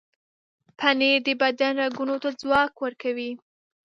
پنېر د بدن رګونو ته ځواک ورکوي.